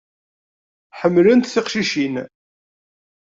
Ḥemmlent tiqcicin.